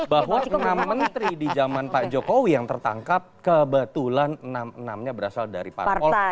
bahwa enam menteri di zaman pak jokowi yang tertangkap kebetulan enam enamnya berasal dari parpol